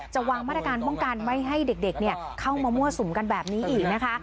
วางมาตรการป้องกันไม่ให้เด็กเข้ามามั่วสุมกันแบบนี้อีกนะคะ